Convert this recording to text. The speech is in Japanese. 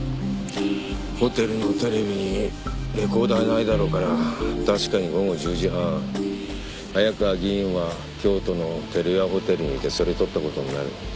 ホテルのテレビにレコーダーはないだろうから確かに午後１０時半早川議員は京都の照屋ホテルにいてそれ撮ったことになる。